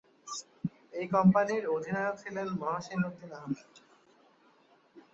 এই কোম্পানির অধিনায়ক ছিলেন মহসীন উদ্দীন আহমেদ।